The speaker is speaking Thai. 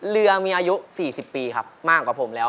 เรือมีอายุ๔๐ปีครับมากกว่าผมแล้ว